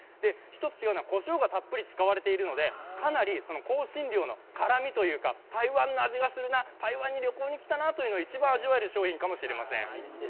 一つ違うのは、こしょうがたっぷり使われているのでかなり香辛料の辛みというか台湾の味がするな台湾に旅行に来たなというのを一番味わえる商品かもしれません。